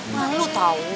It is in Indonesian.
mbak lu tau